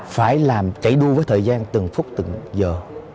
phải chạy đu với thời gian từng phút từng giờ